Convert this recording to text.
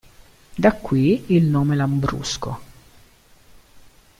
Da qui il nome lambrusco.